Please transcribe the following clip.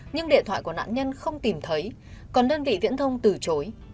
nhưng điện thoại của nạn nhân không tìm thấy còn đơn vị viễn thông từ chối